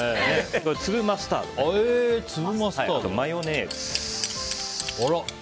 ここに粒マスタードあとマヨネーズ。